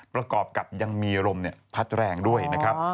ประกอบกับยังมีลมพัดแรงด้วยนะครับ